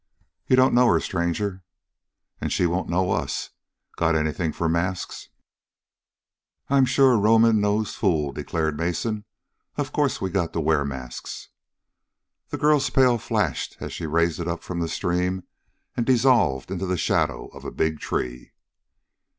"You don't know her, stranger." "And she won't know us. Got anything for masks?" "I'm sure a Roman nosed fool!" declared Mason. "Of course we got to wear masks." The girl's pail flashed, as she raised it up from the stream and dissolved into the shadow of a big tree.